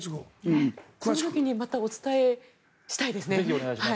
その時にまたお伝えしたいですね。